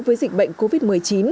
với dịch bệnh covid một mươi chín